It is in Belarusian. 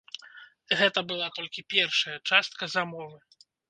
Гэта была толькі першая частка замовы.